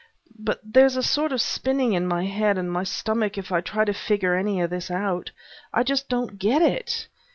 But there's a sort of spinning in my head and my stomach if I try to figure any of this out. I just don't get it."